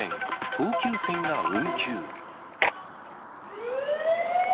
東急線が運休。